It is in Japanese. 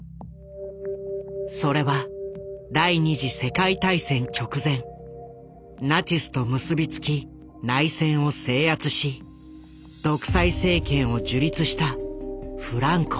それは第２次世界大戦直前ナチスと結び付き内戦を制圧し独裁政権を樹立したフランコ。